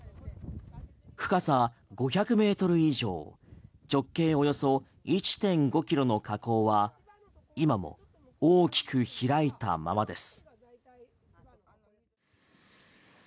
深さ５００ｍ以上直径およそ１．５キロの火口は今も大きく開いたままです。